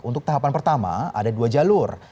untuk tahapan pertama ada dua jalur